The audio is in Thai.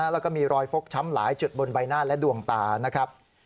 แล้วก็มีรอยฟกช้ำหลายจุดบนใบหน้าและดวงตานะครับ